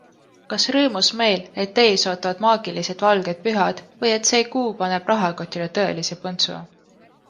Kas rõõmus meel, et ees ootavad maagilised valged pühad või et see kuu paneb rahakotile tõelise põntsu?